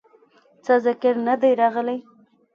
څۀ ذکر نۀ دے راغلے